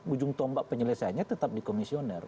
ujung tombak penyelesaiannya tetap di komisioner